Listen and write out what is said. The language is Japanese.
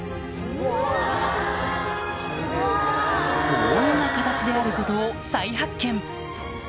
こんな形であることを再発見